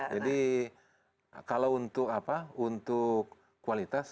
jadi kalau untuk kualitas